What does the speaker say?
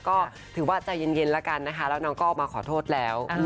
ก็ถือว่าใจเย็นแล้วกันนะคะแล้วน้องก็ออกมาขอโทษแล้ว